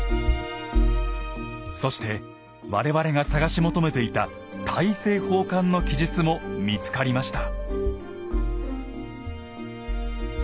そして我々が探し求めていた大政奉還の記述も見つかりました。